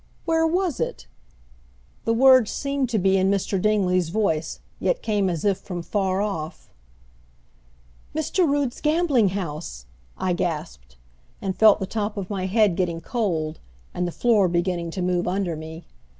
"Where was it?" The words seemed to be in Mr. Dingley's voice, yet came as if from, far off. "Mr. Rood's gambling house!" I gasped, and felt the top of my head getting cold and the floor beginning to move under me.